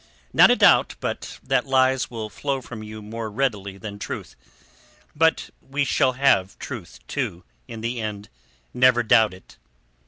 "Not a doubt but that lies will flow from you more readily than truth. But we shall have truth, too, in the end, never doubt it."